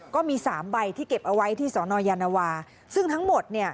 ก็มีสามใบที่เก็บเอาไว้ที่สนยานวาซึ่งทั้งหมดเนี่ย